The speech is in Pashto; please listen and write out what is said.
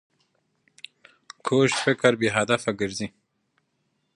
کوږ فکر بې هدفه ګرځي